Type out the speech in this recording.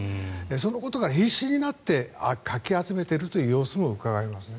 そのことが必死になってかき集めているという様子もうかがえますね。